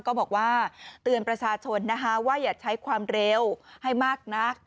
ก็บอกว่าเตือนประชาชนนะคะว่าอย่าใช้ความเร็วให้มากนัก